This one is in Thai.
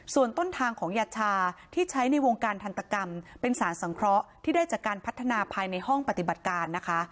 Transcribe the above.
ส่วนต้นทางของยาชาที่ใช้ในวงการทันตกรรมเป็นสารสังเคราะห์ที่ได้จากการพัฒนาภายในห้องปฏิบัติการนะคะ